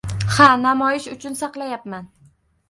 — Ha, namoyish uchun saqlayapman.